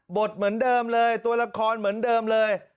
เหมือนเดิมเลยตัวละครเหมือนเดิมเลย